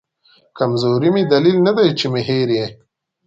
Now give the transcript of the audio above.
کمزوري مې دلیل ندی چې مې هېر یې